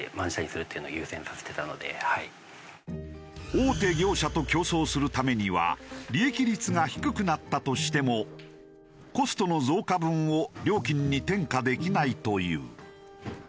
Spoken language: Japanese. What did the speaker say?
大手業者と競争するためには利益率が低くなったとしてもコストの増加分を料金に転嫁できないという。